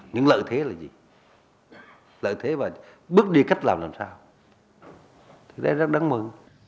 những lợi thế là gì lợi thế và bước đi cách làm làm sao thì đấy rất đáng mừng